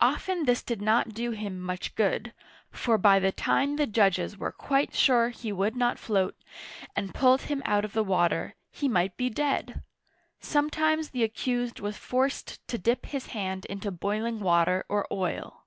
Often this did not do him much good, for by the time the judges were quite sure he would not float, and pulled him out of the water, he might be dead! Sometimes the accused was forced to dip his hand into boiling water or oil.